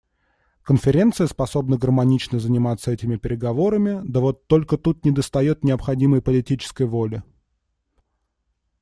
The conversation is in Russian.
Конференция способна гармонично заниматься этими переговорами, да вот только тут недостает необходимой политической воли.